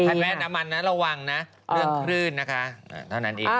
แว่นน้ำมันนะระวังนะเรื่องคลื่นนะคะเท่านั้นเอง